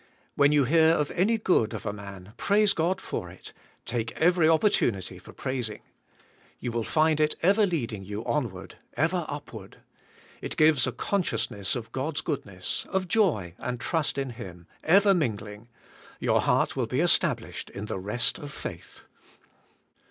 When you hear of any good of a man, praise God for it; take every opportunity for 240 THE SPIRITUAI. LIFE. praising . You will find it ever leading you onward, ever upward. It gives a consciousness cf God's goodness, of joy and trust in Him, ever mingling; your heart will be established in the rest of faith.